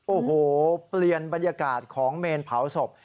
โอ้โหเปลี่ยนบรรยากาศของเมนเผาศพ